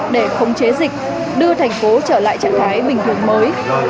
để khống chế dịch đưa thành phố trở lại trạng thái bình thường mới